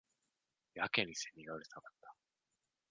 やけに蝉がうるさかった